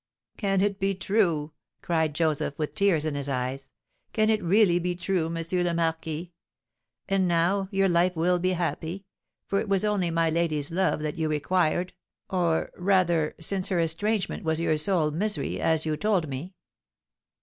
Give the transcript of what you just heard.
"Can it be true?" cried Joseph, with tears in his eyes. "Can it really be true, M. le Marquis? And now your life will be happy, for it was only my lady's love that you required, or, rather, since her estrangement was your sole misery, as you told me."